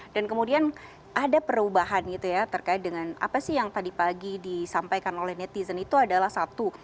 dan kemudian ada perubahan gitu ya terkait dengan apa sih yang tadi pagi disampaikan oleh netizen itu adalah satu